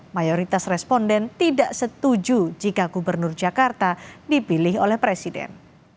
mayoritas responden tidak setuju jika gubernur jakarta dipilih oleh presiden